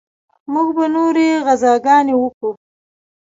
موږ به نورې غزاګانې وکو.